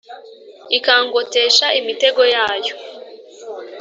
ikangotesha imitego yayo